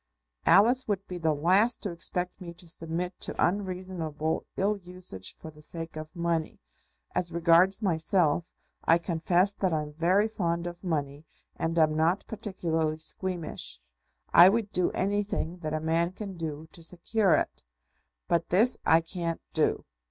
"Alice would be the last to expect me to submit to unreasonable ill usage for the sake of money. As regards myself, I confess that I'm very fond of money and am not particularly squeamish. I would do anything that a man can do to secure it. But this I can't do.